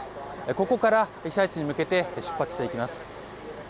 ここから被災地に向けて出発していきます。